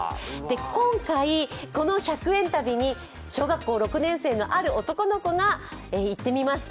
今回、この１００円旅に小学校６年生のある男の子が行ってみました。